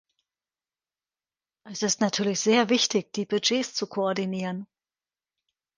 Es ist natürlich sehr wichtig, die Budgets zu koordinieren.